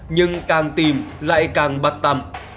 nhưng càng tìm lại càng bắt tăm